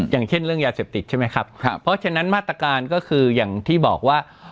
อย่างเช่นเรื่องยาเสพติดใช่ไหมครับเพราะฉะนั้นมาตรการก็คืออย่างที่บอกว่า